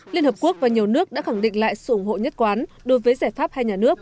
liên hợp quốc và nhiều nước đã khẳng định lại sự ủng hộ nhất quán đối với giải pháp hai nhà nước